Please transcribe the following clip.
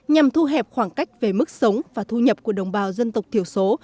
nhằm thu hẹp khoảng cách về mức sống và thu nhập của đồng bào dân tộc thiểu số